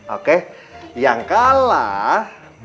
oke yang kalah